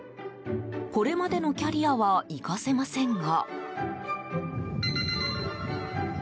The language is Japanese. これまでのキャリアは生かせませんが。